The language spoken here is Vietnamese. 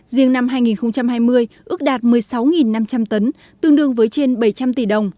riêng năm hai nghìn hai mươi ước đạt một mươi sáu năm trăm linh tấn tương đương với trên bảy trăm linh tỷ đồng